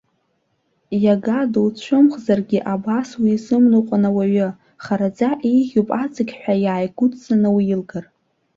Иага дуцәымыӷзаргьы абас уизымныҟәан ауаҩы, хараӡа еиӷьуп аҵықьҳәа иааигәыдҵаны уилгар.